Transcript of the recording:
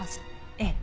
ええ。